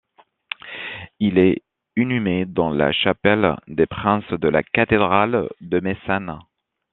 Il est inhumé dans la Chapelle des Princes de la cathédrale de Meissen.